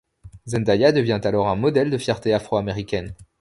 Zendaya devient alors un modèle de fierté afro-américaine.